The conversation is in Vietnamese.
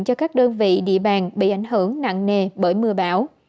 cho các đơn vị địa bàn bị ảnh hưởng nặng nề bởi mưa bão